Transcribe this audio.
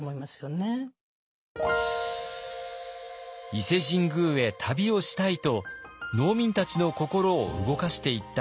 「伊勢神宮へ旅をしたい」と農民たちの心を動かしていった御師たち。